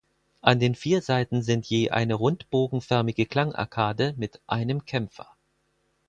An den vier Seiten sind je eine rundbogenförmige Klangarkade mit einem Kämpfer.